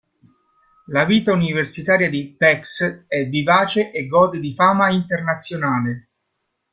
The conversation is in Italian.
La vita universitaria di Pécs è vivace e gode di fama internazionale.